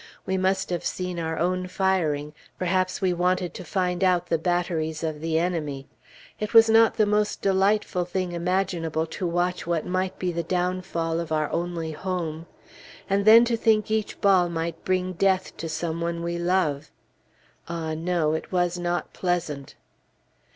We must have seen our own firing; perhaps we wanted to find out the batteries of the enemy. It was not the most delightful thing imaginable to watch what might be the downfall of our only home! And then to think each ball might bring death to some one we love! Ah, no! it was not pleasant!